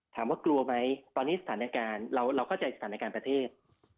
ถามว่ากลัวไหมตอนนี้สถานการณ์เราก็จะสถานการณ์ประเทศ